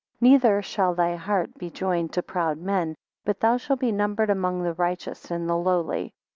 Neither shall thy heart be joined to proud men; but thou shalt be numbered among the righteous and the lowly.